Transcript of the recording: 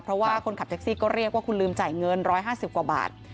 เพราะว่าคนขับแท็กซี่ก็เรียกว่าคุณลืมจ่ายเงิน๑๕๐กว่าบาท